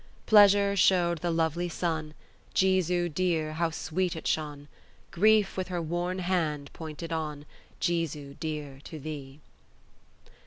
Pleasure showed the lovely sun; Jesu dear, how sweet it shone! Grief with her worn hand pointed on, Jesu dear, to thee!